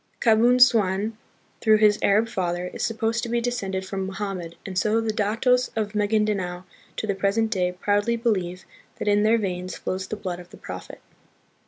Kabun suan, through his Arab father, is supposed to be descended from Mohammed, and so the datos of Magindanao to the present day proudly believe that in their veins flows the blood of the Prophet.